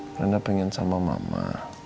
karena pengen sama mama